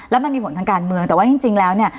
แล้วมันมีผลทางการเมืองแต่ว่าจริงแล้วเนี่ย